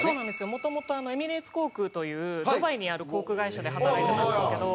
もともとエミレーツ航空というドバイにある航空会社で働いてたんですけど。